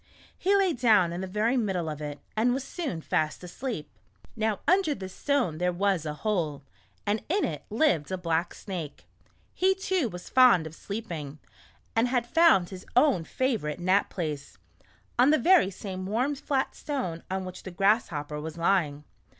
He lay down in the very middle of it, and was soon fast asleep. Now under this stone there was a hole, and in it lived a black snake. He, too, was fond of sleeping and had his own favorite nap place — on the very same warm flat stone on which the Grass hopper was lying.